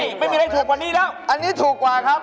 นี่ไม่มีอะไรถูกกว่านี้แล้วอันนี้ถูกกว่าครับ